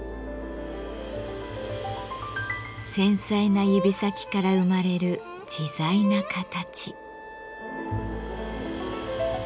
繊細な指先から生まれる自在な形。